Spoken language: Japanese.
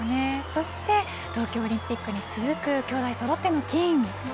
そして東京オリンピックに続くきょうだいそろっての金。